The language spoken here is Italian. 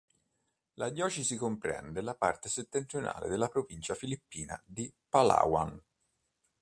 La diocesi comprende la parte settentrionale della provincia filippina di Palawan.